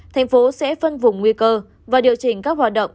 tp hcm sẽ phân vùng nguy cơ và điều chỉnh các hoạt động